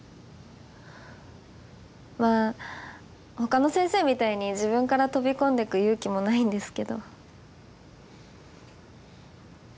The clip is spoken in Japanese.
まあほかの先生みたいに自分から飛び込んでく勇気もないんですけど。